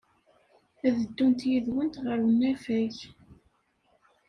Ad ddunt yid-went ɣer unafag.